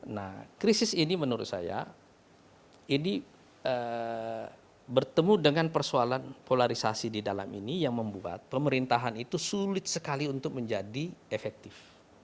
nah krisis ini menurut saya ini bertemu dengan persoalan polarisasi di dalam ini yang membuat pemerintahan itu sulit sekali untuk menjadi efektif